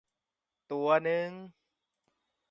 ตัวนึง